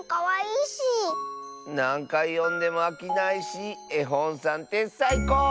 なんかいよんでもあきないしえほんさんってさいこう！